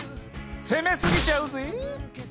攻めすぎちゃうぜ。